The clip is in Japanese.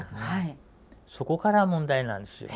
そこから問題なんですよ。